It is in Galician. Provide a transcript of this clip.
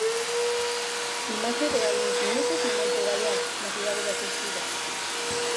Imaxe de hai uns minutos no monte Gaiás, na Cidade da Cultura.